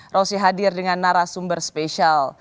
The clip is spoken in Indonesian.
rosi hadir dengan narasumber spesial